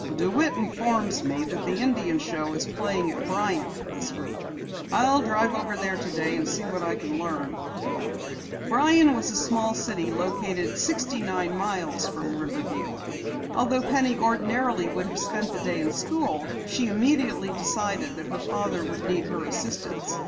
"DeWitt informs me that the Indian Show is playing at Bryan this week. I'll drive over there today and see what I can learn." Bryan was a small city located sixty nine miles from Riverview. Although Penny ordinarily would have spent the day in school, she immediately decided that her father would need her assistance.